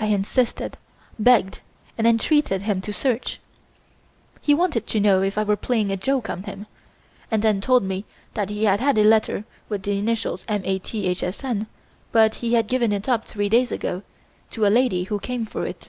I insisted, begged and entreated him to search. He wanted to know if I were playing a joke on him, and then told me that he had had a letter with the initials M. A. T. H. S. N, but he had given it up three days ago, to a lady who came for it.